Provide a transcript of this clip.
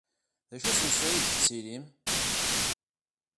D acu n usensu aydeg la tettilim?